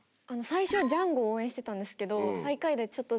最初ジャンゴ応援してたんですけど。